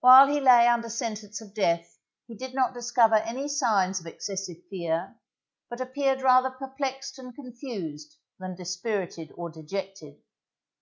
While he lay under sentence of death he did not discover any signs of excessive fear, but appeared rather perplexed and confused than dispirited or dejected.